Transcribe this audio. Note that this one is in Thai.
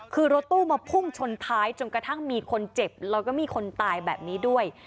คือรถตู้มาพุ่งชนท้ายจนกระทั่งมีคนเจ็บแล้วก็มีคนตายแบบนี้ด้วย